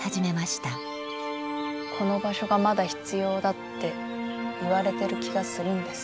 この場所がまだ必要だって言われてる気がするんです。